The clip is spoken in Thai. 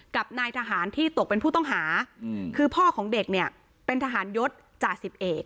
กับนายทหารที่ตกเป็นผู้ต้องหาคือพ่อของเด็กเนี่ยเป็นทหารยศจ่าสิบเอก